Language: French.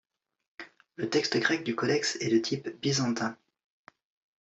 Le texte grec du codex est de type byzantin.